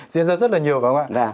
diễn ra rất là nhiều phải không ạ